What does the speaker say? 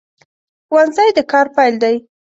ښوونځی د کار پیل دی